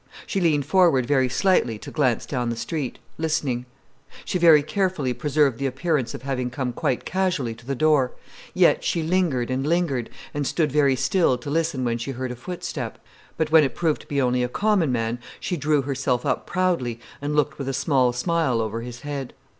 She leaned forward very slightly to glance down the street, listening. She very carefully preserved the appearance of having come quite casually to the door, yet she lingered and lingered and stood very still to listen when she heard a footstep, but when it proved to be only a common man, she drew herself up proudly and looked with a small smile over his head.